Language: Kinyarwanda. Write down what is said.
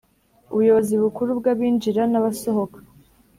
ubuyobozi bukuru bw’abinjira n’abasohoka